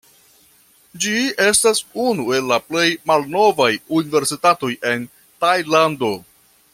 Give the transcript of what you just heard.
Ĝi estas unu el la plej malnovaj universitatoj en Tajlando.